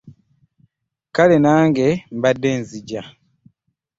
Kale nange mbadde nzija.